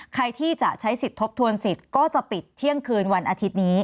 ใครที่จะใช้สิทธิ์ทบทวนสิทธิ์ก็จะปิดเที่ยงคืนวันอาทิตย์นี้